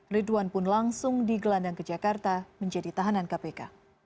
ridwan pun langsung digelandang ke jakarta menjadi tahanan kpk